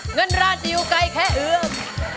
เงินราชจะอยู่ไกลแค่เอื้อม